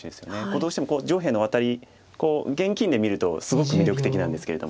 どうしても上辺のワタリ現金で見るとすごく魅力的なんですけれども。